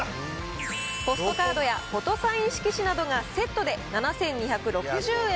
ポストカードやフォトサイン色紙などがセットで７２６０円。